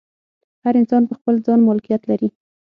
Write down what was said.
هر انسان پر خپل ځان مالکیت لري.